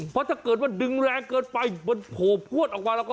เพราะถ้าเกิดชนิดแรงเกินไปโผ่พวดออกมาแล้วก็